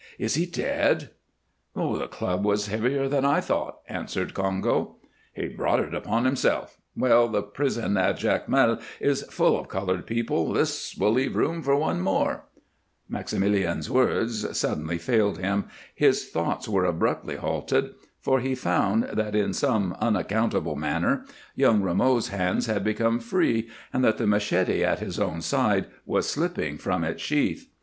"Is he dead?" "The club was heavier than I thought," answered Congo. "He brought it upon himself. Well, the prison at Jacmel is full of colored people; this will leave room for one more " Maximilien's words suddenly failed him, his thoughts were abruptly halted, for he found that in some unaccountable manner young Rameau's hands had become free and that the machete at his own side was slipping from its sheath.